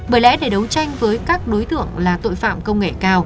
bởi lẽ để đấu tranh với các đối tượng là tội phạm công nghệ cao